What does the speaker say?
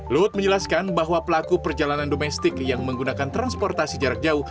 luhut menjelaskan bahwa pelaku perjalanan domestik yang menggunakan transportasi jarak jauh